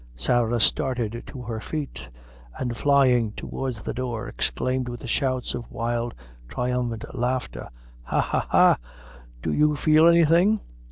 Sarah started to her feet, and flying towards the door, exclaimed with shouts of wild triumphant laughter "Ha, ha, ha! do you feel anything?